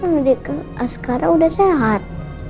adiknya askara udah sehat